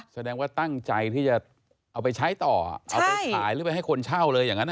แสดงว่าตั้งใจที่จะเอาไปใช้ต่อเอาไปขายหรือไปให้คนเช่าเลยอย่างนั้น